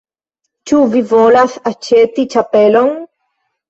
Ĉu vi volas aĉeti ĉapelon?